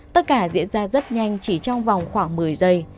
tất cả diễn ra rất nhanh chỉ trong vòng khoảng một mươi giây